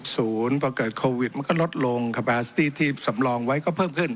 ศูนย์พอเกิดโควิดมันก็ลดลงคาแบสตี้ที่สำรองไว้ก็เพิ่มขึ้น